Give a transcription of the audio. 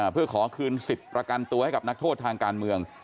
เพื่อขอคืนสิทธิ์ประกันตัวให้กับนักโทษทางการเมือง